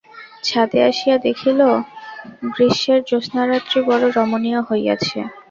ছাদে আসিয়া দেখিল, গ্রীষেমর জ্যোৎস্নারাত্রি বড়ো রমণীয় হইয়াছে।